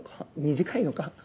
短いのか？